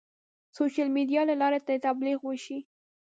سوشیل میډیا له لارې د تبلیغ وشي.